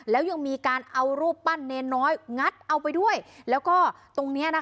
แล้วยังมีการเอารูปปั้นเนรน้อยงัดเอาไปด้วยแล้วก็ตรงเนี้ยนะคะ